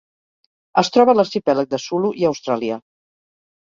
Es troba a l'Arxipèlag de Sulu i Austràlia.